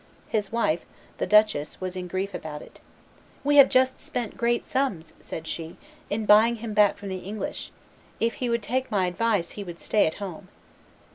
His wife, the duchess, was in grief about it. "We have just spent great sums," said she, "in buying him back from the English; if he would take my advice, he would stay at home."